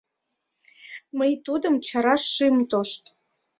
Мый тудым чараш шым тошт.